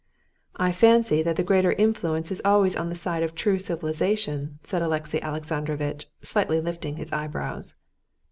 "I fancy that the greater influence is always on the side of true civilization," said Alexey Alexandrovitch, slightly lifting his eyebrows.